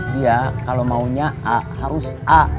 dia kalau maunya a harus a